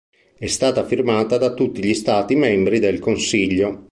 È stata firmata da tutti gli stati membri del Consiglio.